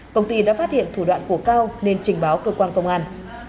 công ty đã phát hiện thủ đoạn của cao nên trình báo cơ quan công an